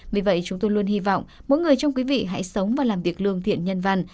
vì vậy chúng tôi luôn hy vọng mỗi người trong quý vị hãy sống và làm việc lương thiện nhân văn